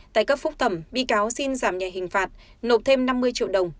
tại cấp phúc thẩm bị cáo xin giảm nhẹ hình phạt nộp thêm năm mươi triệu đồng